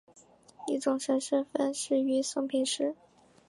以重臣身份仕于松平氏。